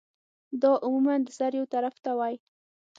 دا عموماً د سر يو طرف ته وی